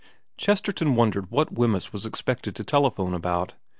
Chesterton wondered what Wemyss was expected to telephone about.